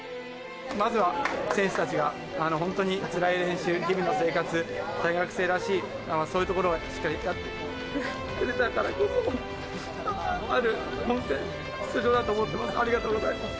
まずは選手たちが、本当につらい練習、日々の生活、大学生らしい、そういうところをしっかりやってくれたからこそある本戦出場だと思ってます。